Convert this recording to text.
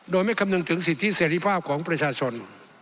โดยไม่คำนึงถึงสิทธิเสรีภาพของประชาชน